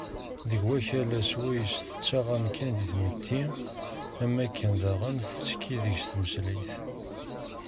Deg ukala s wayes yettaɣ amkan di tmetti, am wakken daɣen tettekki deg-s tmeslayt.